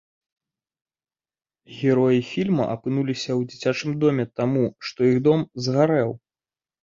Героі фільма апынуліся ў дзіцячым доме таму, што іх дом згарэў.